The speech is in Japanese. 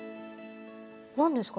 何ですか？